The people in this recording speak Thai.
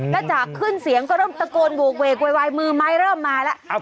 แล้วจากขึ้นเสียงก็เริ่มตะโกนโหกเวกโวยวายมือไม้เริ่มมาแล้ว